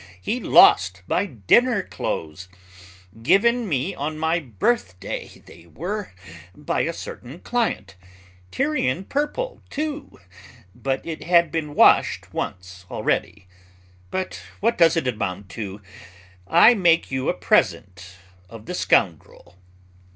He lost my dinner clothes, given me on my birthday they were, by a certain client, Tyrian purple too, but it had been washed once already. But what does it amount to? I make you a present of the scoundrel!"